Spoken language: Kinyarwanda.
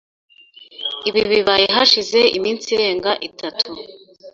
Ibi bibaye hashize iminsi irenga itatu .